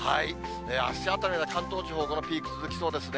あしたあたりは関東地方、このピーク、続きそうですね。